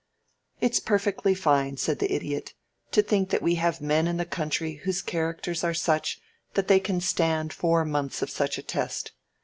"It's perfectly fine," said the Idiot, "to think that we have men in the country whose characters are such that they can stand four months of such a test.